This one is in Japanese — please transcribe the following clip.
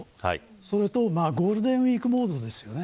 それと、ゴールデンウイークモードですよね。